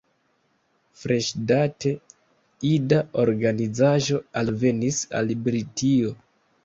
Freŝdate, ida organizaĵo alvenis al Britio.